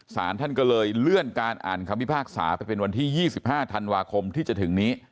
สารท่านก็เลยเลื่อนการอ่านคำพิพากษาไปเป็นวันที่๒๕ธันวาคมที่จะถึงนี้